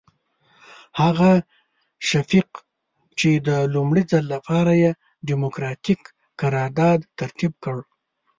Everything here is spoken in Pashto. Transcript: هغه شفیق چې د لومړي ځل لپاره یې ډیموکراتیک قرارداد ترتیب کړ.